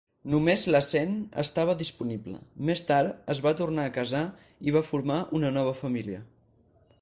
Només la Sen estava disponible; més tard es va tornar a casar i va formar una nova família.